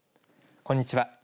こんにちは。